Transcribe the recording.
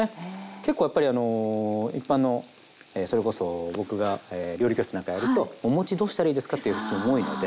結構やっぱりあの一般のそれこそ僕が料理教室なんかやると「お餅どうしたらいいですか？」っていう質問多いので。